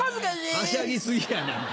はしゃぎ過ぎやねんて。